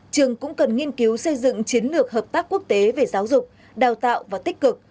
trường cũng cần nghiên cứu xây dựng chiến lược hợp tác quốc tế về giáo dục đào tạo và tích cực